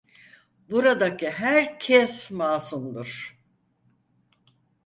Buradaki herkes masumdur.